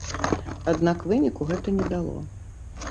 Аднак выніку гэта не дало.